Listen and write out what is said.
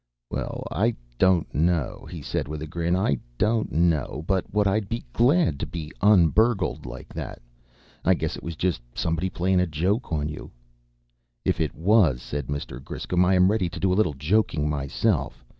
"Well, I don't know," he said with a grin. "I don't know but what I'd be glad to be un burgled like that. I guess it was just somebody playing a joke on you." "If it was," said Mr. Griscom, "I am ready to do a little joking myself.